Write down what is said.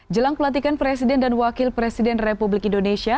jelang pelantikan presiden dan wakil presiden republik indonesia